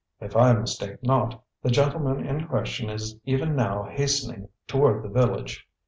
"If I mistake not, the gentleman in question is even now hastening toward the village."